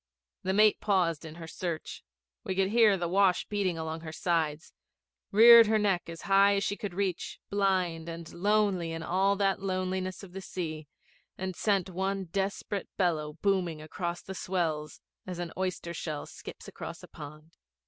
The mate paused in her search; we could hear the wash beating along her sides; reared her neck as high as she could reach, blind and lonely in all that loneliness of the sea, and sent one desperate bellow booming across the swells as an oyster shell skips across a pond.